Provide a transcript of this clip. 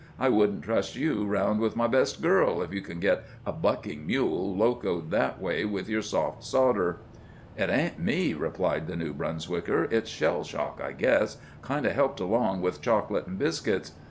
"I wouldn't trust you round with my best girl, if you can get a bucking mule locoed that way with your soft sawder." "It ain't me," replied the New Brunswicker. "It's shell shock, I guess, kind of helped along with chocolate an' biscuits.